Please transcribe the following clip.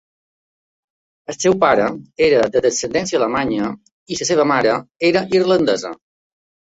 El seu pare era de descendència alemanya i la seva mare era irlandesa.